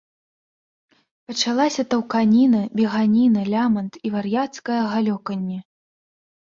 Пачалася таўканіна, беганіна, лямант і вар'яцкае галёканне.